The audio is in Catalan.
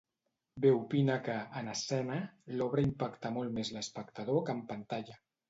Be opina que, en escena, l'obra impacta molt més l'espectador que en pantalla.